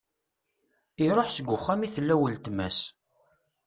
Iruḥ seg uxxam i tella uletma-s.